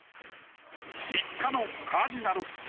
３日のカージナルス戦。